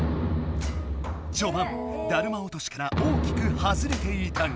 じょばん「だるま落とし」から大きく外れていたが。